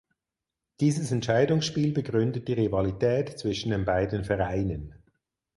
Dieses Entscheidungsspiel begründet die Rivalität zwischen den beiden Vereinen.